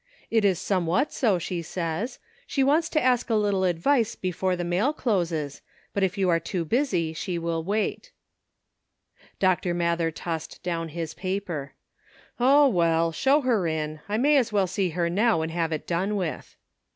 *'It is somewhat so, she says; she wants to ask a little advice before the mail closes, but if you are too busy she will wait." Dr. Mather tossed down his paper. *'0, 194 CONFLICTING ADVICE. 195 well ! show her in. I may as well see her now and have it done with.'